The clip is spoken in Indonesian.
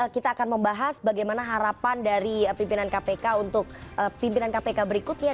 kita akan membahas bagaimana harapan dari pimpinan kpk untuk pimpinan kpk berikutnya